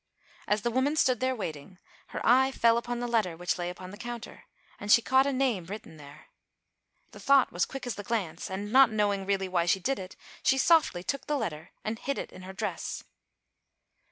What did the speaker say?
As the woman stood there waiting, her eye fell upon the letter which lay upon the counter, and she caught a name written there. The thought was quick as the glance, and, not know ing, really, why she did it, she softly took the letter and hid it in her dress.